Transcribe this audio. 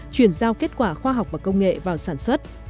chuyển giao kết quả khoa học và công nghệ vào sản xuất